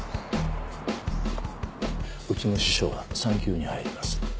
うちの司書が産休に入ります。